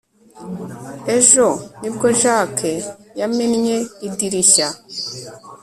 ejo nibwo jake yamennye idirishya